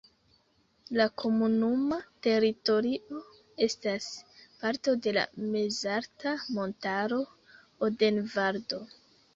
La komunuma teritorio estas parto de la mezalta montaro Odenvaldo.